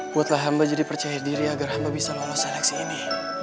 buatlah hamba jadi percaya diri agar hamba bisa lolos seleksi ini